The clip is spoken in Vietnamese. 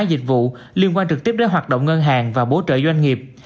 dịch vụ liên quan trực tiếp đến hoạt động ngân hàng và bổ trợ doanh nghiệp